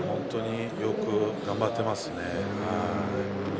よく頑張ってますね。